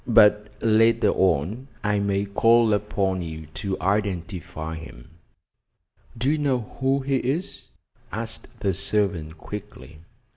"But later on I may call upon you to identify him." "Do you know who he is?" asked the servant quickly.